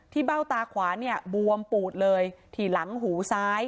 เบ้าตาขวาเนี่ยบวมปูดเลยที่หลังหูซ้าย